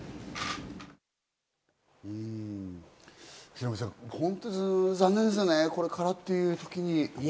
ヒロミさん、本当に残念ですよね、これからっていうときに。